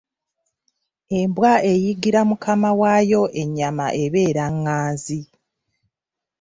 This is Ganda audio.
Embwa eyiggira Mukama waayo ennyama ebeera ղղanzi.